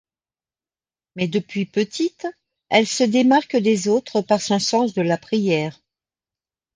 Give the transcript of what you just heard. Mais depuis petite, elle se démarque des autres par son sens de la prière.